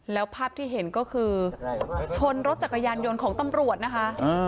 แล้วภาพที่เห็นก็คือชนรถจักรยานยนต์ของตำรวจนะคะ